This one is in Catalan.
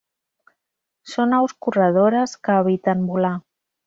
Són aus corredores que eviten volar.